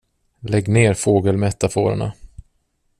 Lägg ner fågelmetaforerna.